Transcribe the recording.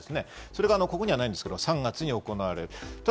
それがここにはないですが、３月に行われた。